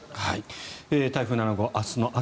台風７号、明日の朝